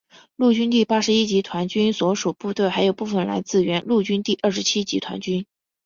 陆军第八十一集团军所属部队还有部分来自原陆军第二十七集团军。